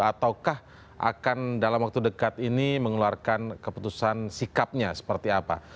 ataukah akan dalam waktu dekat ini mengeluarkan keputusan sikapnya seperti apa